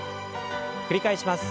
繰り返します。